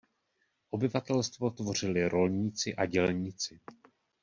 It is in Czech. Obyvatelstvo tvořili rolníci a dělníci.